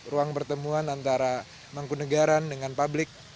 ruang pertemuan antara mangkunegara dengan pabrik